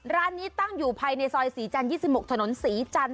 ร้านนี้ตั้งอยู่ภายในซอยศรีจันทร์๒๖ถนนศรีจันท